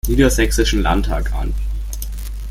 Niedersächsischen Landtag an.